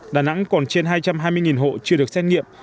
đà nẵng còn trên hai trăm hai mươi hộ chưa được xét nghiệm